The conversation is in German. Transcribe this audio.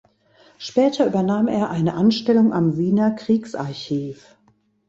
Später übernahm er eine Anstellung am Wiener Kriegsarchiv.